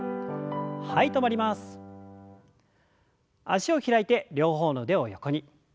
脚を開いて両方の腕を横に。